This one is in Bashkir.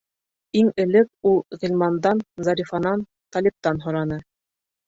Иң элек ул Ғилмандан, Зарифанан, Талиптан һораны.